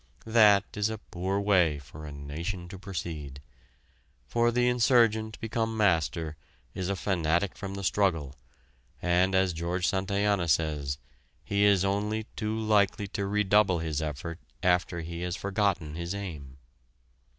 That is a poor way for a nation to proceed. For the insurgent become master is a fanatic from the struggle, and as George Santayana says, he is only too likely to redouble his effort after he has forgotten his aim.